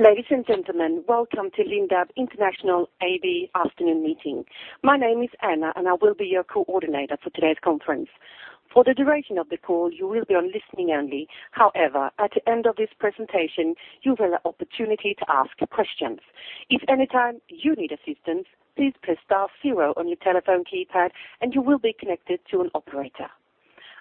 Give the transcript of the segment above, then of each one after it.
Ladies and gentlemen, welcome to Lindab International AB afternoon meeting. My name is Anna, and I will be your coordinator for today's conference. For the duration of the call, you will be on listening only. However, at the end of this presentation, you will have opportunity to ask questions. If anytime you need assistance, please press star 0 on your telephone keypad and you will be connected to one operator.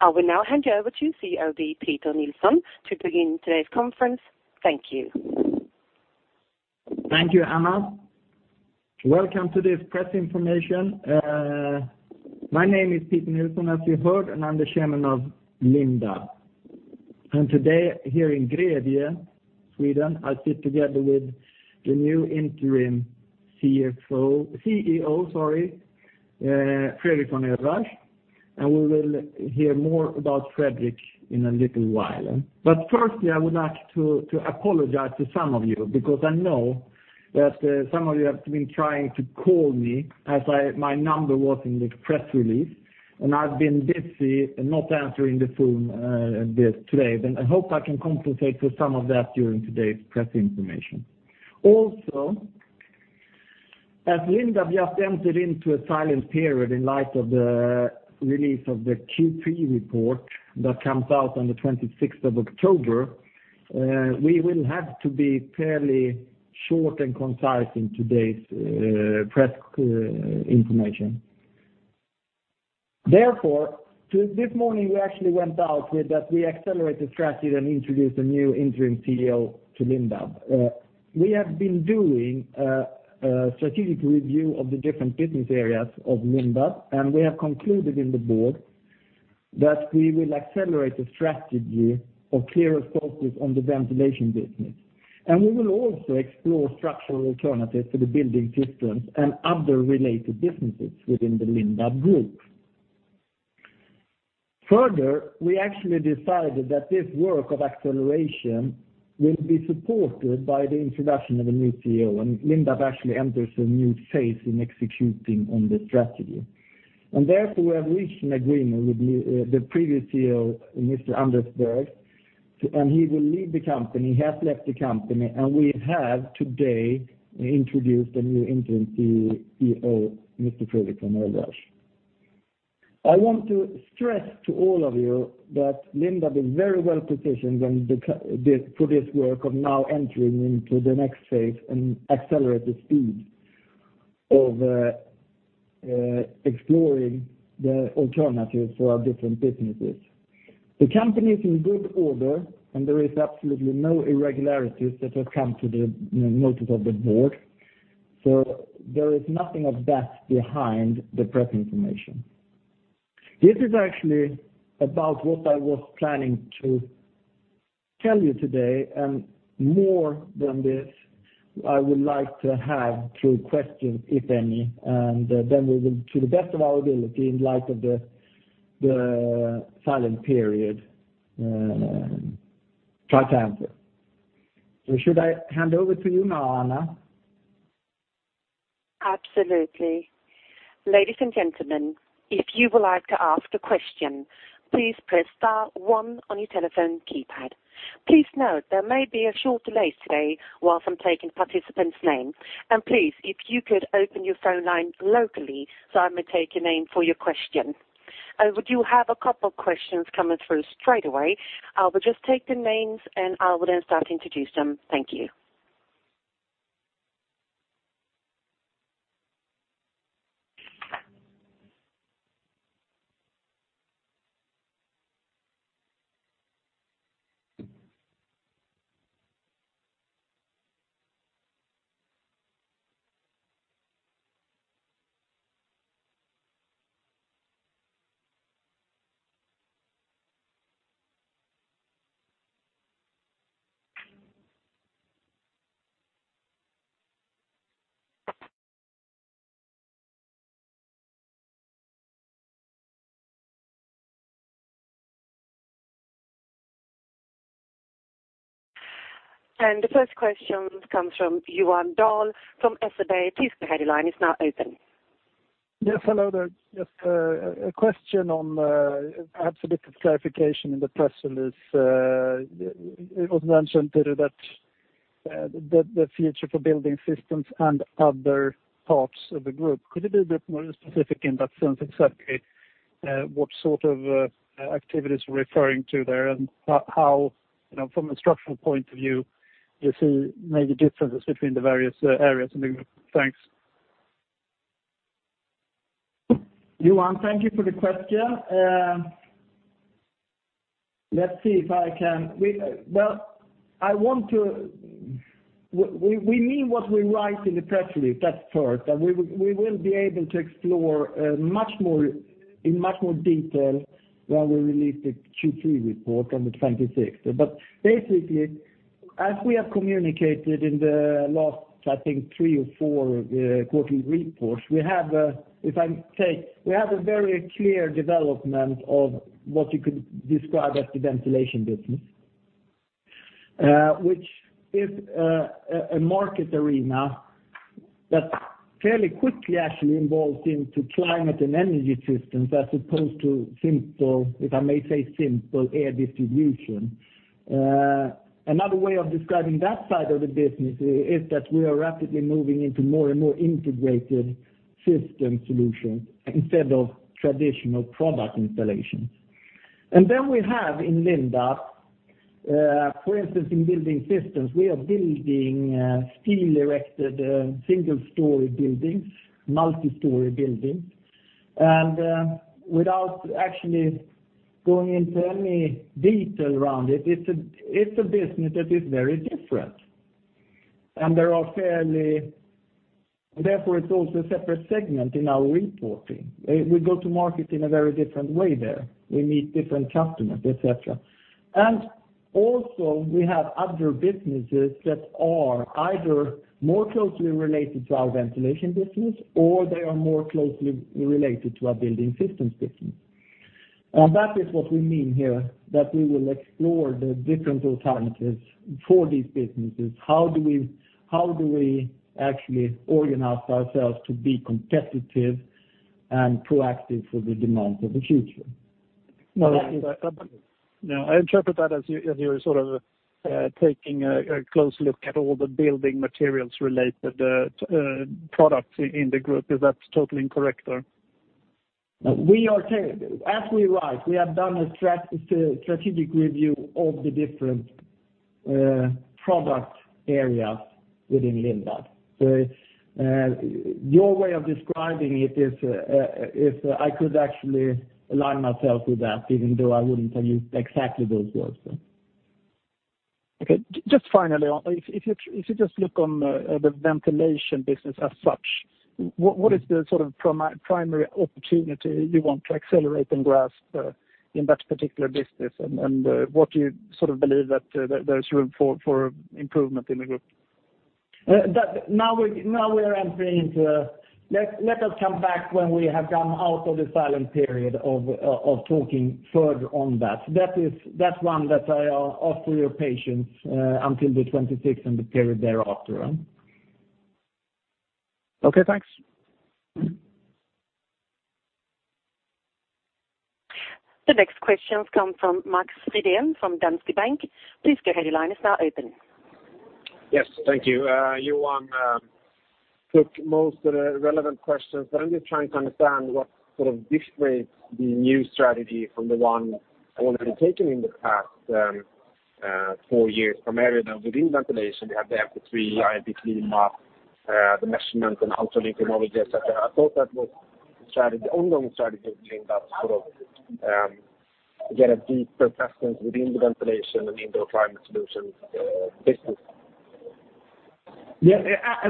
I will now hand you over to CEO Peter Nilsson to begin today's conference. Thank you. Thank you, Anna. Welcome to this press information. My name is Peter Nilsson, as you heard, and I'm the chairman of Lindab. Today, here in Grevie, Sweden, I sit together with the new interim CEO, Fredrik von Oelreich, and we will hear more about Fredrik in a little while. Firstly, I would like to apologize to some of you, because I know that some of you have been trying to call me as my number was in the press release, and I've been busy and not answering the phone this today. I hope I can compensate for some of that during today's press information. As Lindab just entered into a silent period in light of the release of the Q3 report that comes out on the 26th of October, we will have to be fairly short and concise in today's press information. Therefore, this morning, we actually went out with that we accelerated strategy and introduced a new interim CEO to Lindab. We have been doing a strategic review of the different business areas of Lindab, and we have concluded in the board that we will accelerate the strategy of clearer focus on the ventilation business. We will also explore structural alternatives to the building systems and other related businesses within the Lindab Group. Further, we actually decided that this work of acceleration will be supported by the introduction of a new CEO. Lindab actually enters a new phase in executing on the strategy. Therefore, we have reached an agreement with the previous CEO, Mr. Anders Berg, and he will leave the company, he has left the company, and we have today introduced a new interim CEO, Mr. Fredrik von Oelreich. I want to stress to all of you that Lindab is very well positioned when the, for this work of now entering into the next phase and accelerate the speed of exploring the alternatives for our different businesses. The company is in good order, and there is absolutely no irregularities that have come to the, you know, notice of the board. There is nothing of that behind the press information. This is actually about what I was planning to tell you today, and more than this, I would like to have through questions, if any, and then we will, to the best of our ability, in light of the silent period, try to answer. Should I hand over to you now, Anna? Absolutely. Ladies and gentlemen, if you would like to ask a question, please press star one on your telephone keypad. Please note there may be a short delay today whilst I'm taking participants' name. Please, if you could open your phone line locally, so I may take your name for your question. We do have a couple of questions coming through straight away. I will just take the names, I will then start to introduce them. Thank you. The first question comes from Johan Dahl, from SEB. Please, the headline is now open. Hello there. Just a question on perhaps a bit of clarification in the press release. It was mentioned that the future for building systems and other parts of the group. Could you be a bit more specific in that sense, exactly what sort of activities we're referring to there, and how, you know, from a structural point of view, you see maybe differences between the various areas in the group? Thanks. Johan, thank you for the question. let's see if I can... We, well, I want to we mean what we write in the press release, that's first, and we will be able to explore, much more, in much more detail when we release the Q3 report on the 26th. Basically, as we have communicated in the last, I think, 3 or 4, quarterly reports, we have a, if I may say, we have a very clear development of what you could describe as the ventilation business, which is, a market arena. That's fairly quickly actually involves into climate and energy systems as opposed to simple, if I may say, simple air distribution. Another way of describing that side of the business is that we are rapidly moving into more and more integrated system solutions instead of traditional product installations. We have in Lindab, for instance, in building systems, we are building, steel erected, single story buildings, multi-story buildings. Without actually going into any detail around it's a, it's a business that is very different. Therefore, it's also a separate segment in our reporting. We go to market in a very different way there. We meet different customers, et cetera. We have other businesses that are either more closely related to our ventilation business or they are more closely related to our building systems business. That is what we mean here, that we will explore the different alternatives for these businesses. How do we actually organize ourselves to be competitive and proactive for the demands of the future? I interpret that as you're sort of taking a close look at all the building materials related products in the group. Is that totally incorrect or? As we rise, we have done a strategic review of the different product areas within Lindab. Your way of describing it is I could actually align myself with that, even though I wouldn't have used exactly those words. Okay. Just finally, if you just look on the ventilation business as such, what is the sort of primary opportunity you want to accelerate and grasp in that particular business? What do you sort of believe that there's room for improvement in the group? That now we're entering into, let us come back when we have come out of the silent period of talking further on that. That's one that I ask for your patience until the 26th and the period thereafter. Okay, thanks. The next question comes from Max Friberg from Danske Bank. Please go ahead, your line is now open. Yes, thank you. Johan took most of the relevant questions. I'm just trying to understand what sort of differentiates the new strategy from the one already taken in the past, 4 years from area. Within ventilation, you have the, the measurement and also technologies. I thought that was strategy, ongoing strategy that sort of get a deep presence within the ventilation and indoor climate solutions business. Yeah,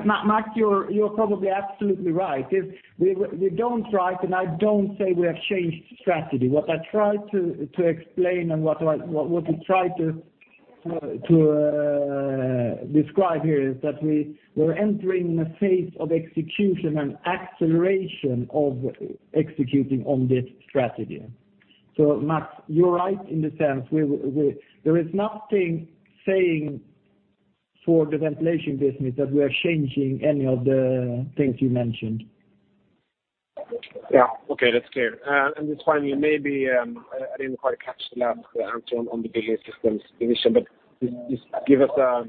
Max, you're probably absolutely right. If we don't try, and I don't say we have changed strategy. What I tried to explain and what we tried to describe here is that we're entering a phase of execution and acceleration of executing on this strategy. Max, you're right in the sense, we, there is nothing saying for the ventilation business that we are changing any of the things you mentioned. Yeah. Okay, that's clear. Just finally, maybe, I didn't quite catch the last answer on the building systems initiative, but just give us a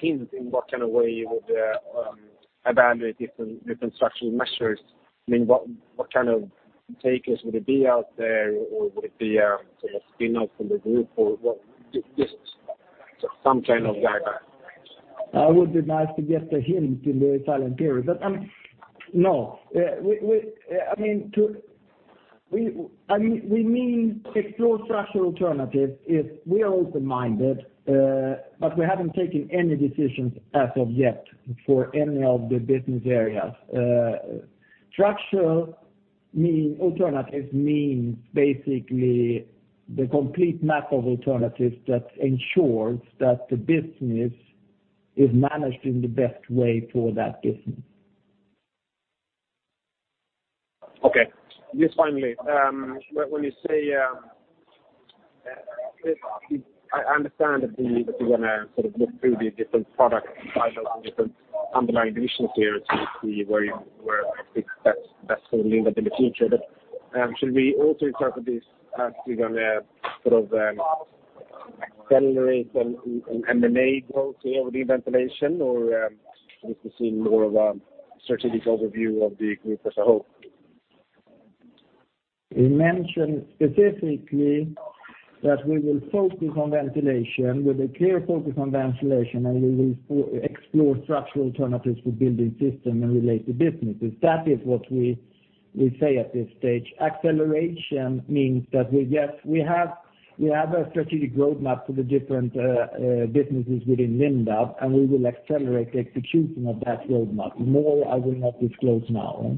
hint in what kind of way you would evaluate different structural measures. I mean, what kind of takers would it be out there, or would it be a sort of spin off from the group or what? Just some kind of guidance. I would be nice to get a hint in the silent period. No, we, I mean, we mean explore structural alternatives, is we are open-minded, but we haven't taken any decisions as of yet for any of the business areas. Structural alternatives means basically the complete map of alternatives that ensures that the business is managed in the best way for that business. Okay. Just finally, when you say, I understand that we want to sort of look through the different product cycles and different underlying conditions here to see where you, where it's best for Lindab in the future. Should we also interpret this as we're gonna sort of accelerate an M&A growth here with the ventilation or this is more of a strategic overview of the group as a whole? We mentioned specifically that we will focus on ventilation, with a clear focus on ventilation, and we will explore structural alternatives for building system and related businesses. That is what we say at this stage. Acceleration means that we, yes, we have a strategic roadmap for the different businesses within Lindab, and we will accelerate the execution of that roadmap. More, I will not disclose now.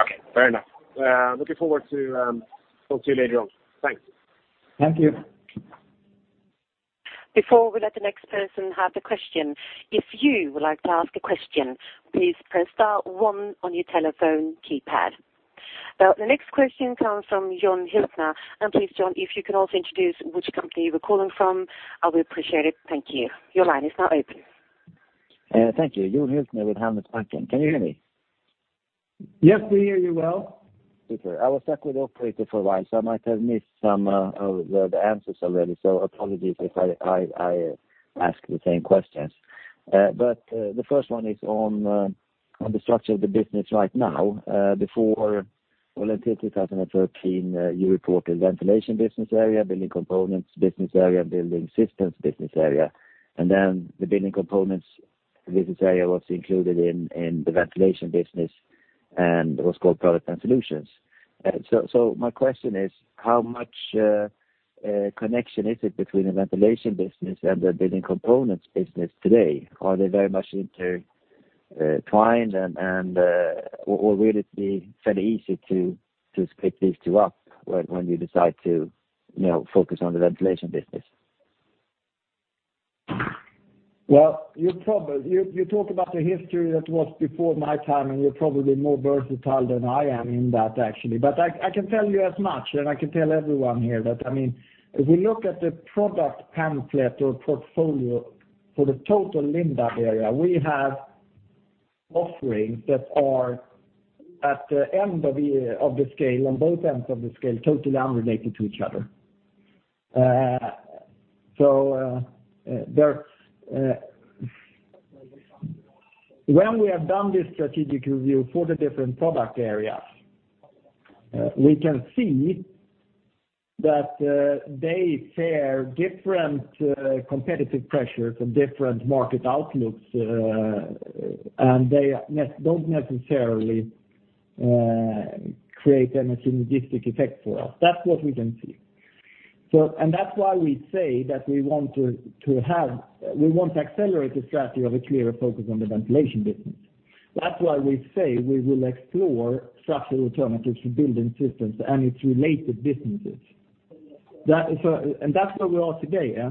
Okay, fair enough. Looking forward to talk to you later on. Thanks. Thank you. Before we let the next person have the question, if you would like to ask a question, please press star one on your telephone keypad. Well, please, Jan, if you can also introduce which company you're calling from, I will appreciate it. Thank you. Your line is now open. Thank you. Jan Hjelmer with Handelsbanken. Can you hear me? Yes, we hear you well. Okay. I was stuck with operator for a while, so I might have missed some of the answers already, so apologies if I ask the same questions. The first one is on the structure of the business right now. Before, well, until 2013, you reported ventilation business area, building components business area, building systems business area, and then the building components business area was included in the ventilation business, and it was called Product and Solutions. My question is, how much connection is it between the ventilation business and the building components business today? Are they very much intertwined, or will it be fairly easy to split these two up when you decide to, you know, focus on the ventilation business? You probably, you talk about the history that was before my time, and you're probably more versatile than I am in that, actually. I can tell you as much, and I can tell everyone here that, I mean, if we look at the product pamphlet or portfolio for the total Lindab area, we have offerings that are at the end of the, of the scale, on both ends of the scale, totally unrelated to each other. There, when we have done this strategic review for the different product areas, we can see that they share different competitive pressures and different market outlooks, and they don't necessarily create any synergistic effect for us. That's what we can see. And that's why we say that we want to accelerate the strategy of a clearer focus on the ventilation business. That's why we say we will explore structural alternatives for building systems and its related businesses. That is, that's where we are today, yeah?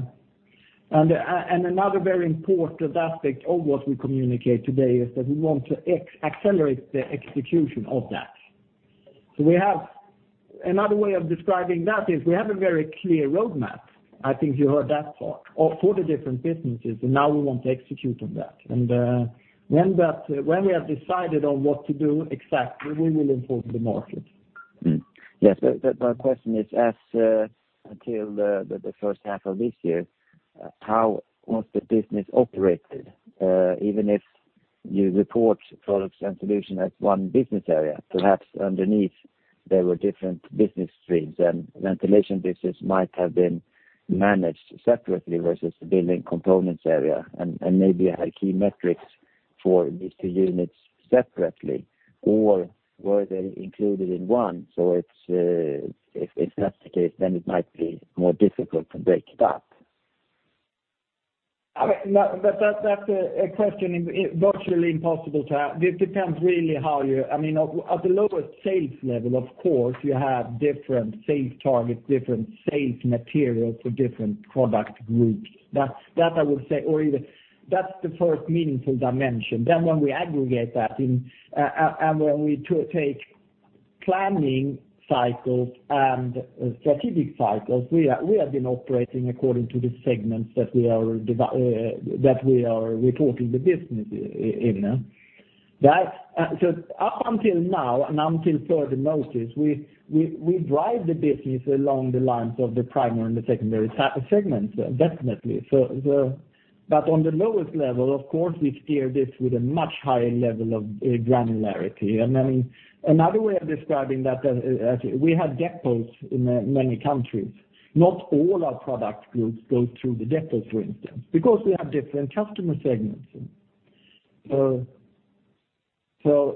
Another very important aspect of what we communicate today is that we want to accelerate the execution of that. We have, another way of describing that is we have a very clear roadmap, I think you heard that part, for the different businesses, now we want to execute on that. When we have decided on what to do exactly, we will inform the market. My question is, as until the first half of this year, how was the business operated? Even if you report products and solutions as one business area, perhaps underneath there were different business streams, and ventilation business might have been managed separately versus the building components area, and maybe had key metrics for these two units separately, or were they included in one? It's, if that's the case, then it might be more difficult to break it up. I mean, no, but that's a question it virtually impossible to it depends really how you... I mean, at the lowest sales level, of course, you have different sales targets, different sales materials for different product groups. That's, that I would say, or even that's the first meaningful dimension. When we aggregate that, and when we take planning cycles and strategic cycles, we are, we have been operating according to the segments that we are reporting the business in. Up until now, and until further notice, we drive the business along the lines of the primary and the secondary segments, definitely. The, on the lowest level, of course, we steer this with a much higher level of granularity. I mean, another way of describing that, we have depots in many countries. Not all our product groups go through the depots, for instance, because we have different customer segments.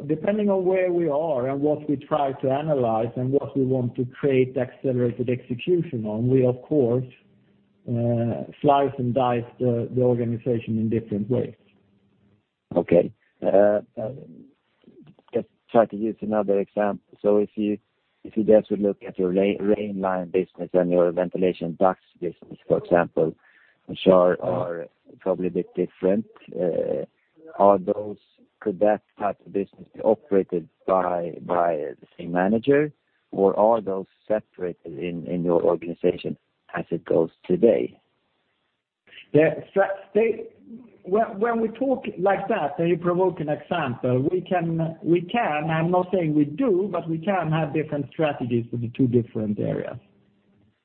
Depending on where we are and what we try to analyze and what we want to create accelerated execution on, we of course, slice and dice the organization in different ways. Okay. Just try to use another example. If you then to look at your Rainline business and your ventilation ducts business, for example, which are probably a bit different, are those, could that type of business be operated by the same manager, or are those separated in your organization as it goes today? Yeah, they, when we talk like that, you provoke an example, we can, I'm not saying we do, but we can have different strategies for the two different areas.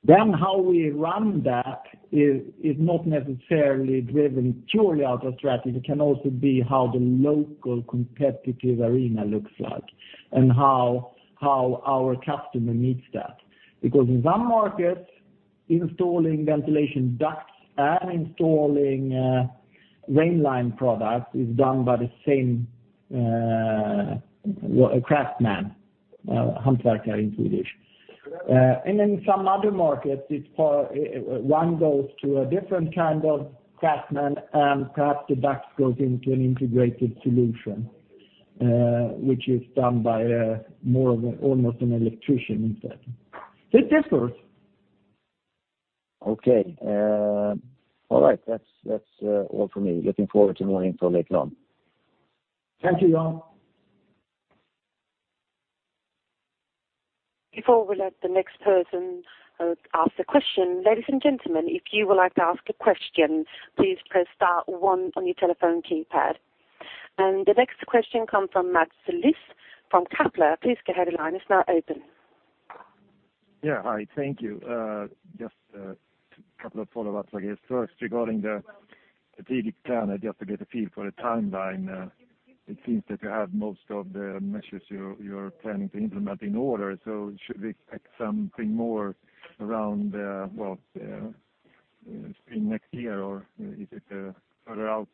How we run that is not necessarily driven purely out of strategy, it can also be how the local competitive arena looks like and how our customer needs that. Because in some markets, installing ventilation ducts and installing Rainline products is done by the same, well, craftsman, hantverkare in Swedish. In some other markets, it's for one goes to a different kind of craftsman, and perhaps the ducts goes into an integrated solution, which is done by a more of a, almost an electrician instead. It differs. Okay, all right, that's all for me. Looking forward to more info later on. Thank you, Jan. Before we let the next person, ask a question, ladies and gentlemen, if you would like to ask a question, please press star 1 on your telephone keypad. The next question comes from Mats Liss from Kepler. Please go ahead, the line is now open. Yeah. Hi, thank you. Just a couple of follow-ups, I guess. First, regarding the strategic plan, just to get a feel for the timeline, it seems that you're planning to implement most of the measures in order, so should we expect something more around, well, in next year, or is it further out?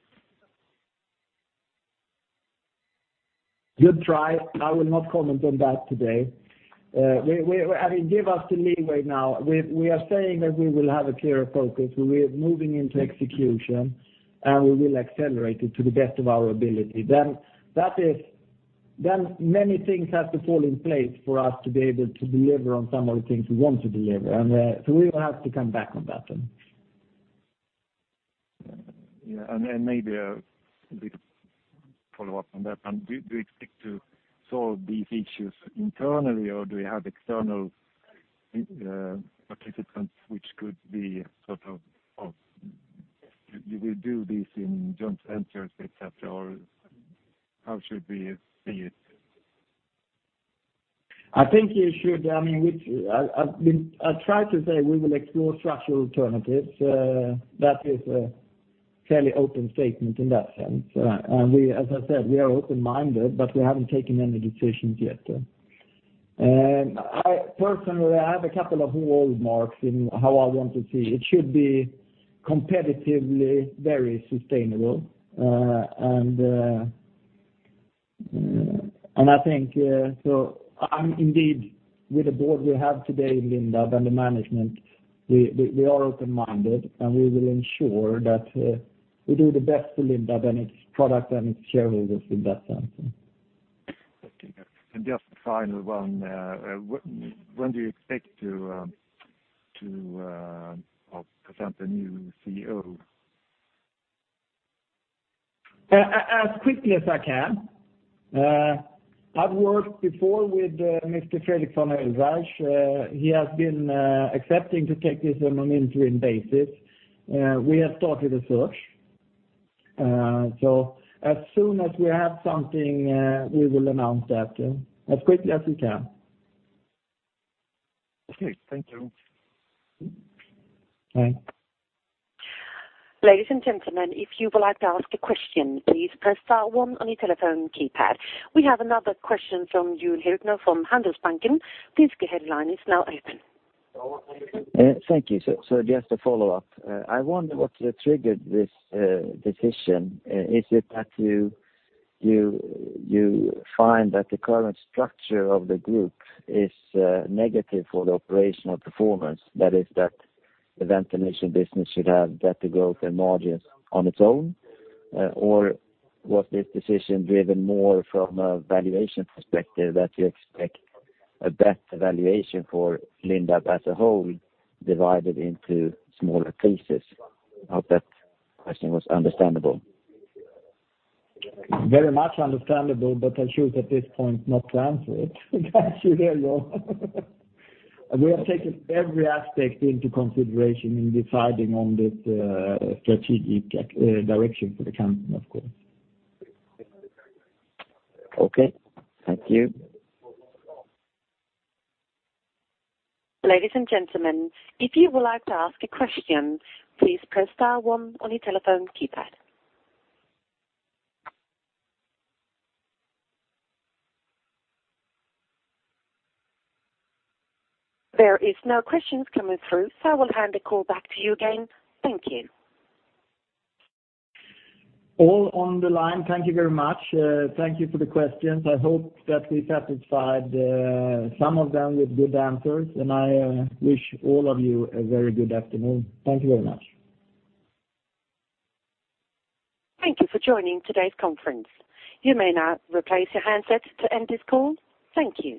Good try. I will not comment on that today. We, I mean, give us the leeway now. We are saying that we will have a clearer focus, we are moving into execution, and we will accelerate it to the best of our ability. Many things have to fall in place for us to be able to deliver on some of the things we want to deliver, and we will have to come back on that one. Yeah, then maybe a bit follow-up on that. Do you expect to solve these issues internally, or do you have external participants, which could be sort of? You will do this in joint ventures, et cetera, or how should we see it? I think you should, I mean, which I tried to say we will explore structural alternatives, that is a fairly open statement in that sense. we are open-minded, but we haven't taken any decisions yet. I personally, I have a couple of hallmarks in how I want to see. It should be competitively, very sustainable. I think, I'm indeed with the board we have today in Lindab and the management, we are open-minded, and we will ensure that we do the best for Lindab and its product and its shareholders in that sense. Okay. Just a final one, when do you expect to present a new CEO? As quickly as I can. I've worked before with Mr. Fredrik von Oelreich. He has been accepting to take this on an interim basis. We have started a search. As soon as we have something, we will announce that as quickly as we can. Okay. Thank you. Bye. Ladies and gentlemen, if you would like to ask a question, please press star 1 on your telephone keypad. We have another question from Jan Hjelmer from Handelsbanken. Please go ahead, line is now open. Thank you, just to follow up, I wonder what triggered this decision. Is it that you find that the current structure of the group is negative for the operational performance? That is, that the ventilation business should have better growth and margins on its own, or was this decision driven more from a valuation perspective, that you expect a better valuation for Lindab as a whole, divided into smaller pieces? I hope that question was understandable. Very much understandable, I choose at this point not to answer it. There you go. We have taken every aspect into consideration in deciding on this strategic direction for the company, of course. Okay, thank you. Ladies and gentlemen, if you would like to ask a question, please press star one on your telephone keypad. There is no questions coming through, so I will hand the call back to you again. Thank you. All on the line, thank you very much. Thank you for the questions. I hope that we satisfied, some of them with good answers, and I, wish all of you a very good afternoon. Thank you very much. Thank you for joining today's conference. You may now replace your handsets to end this call. Thank you.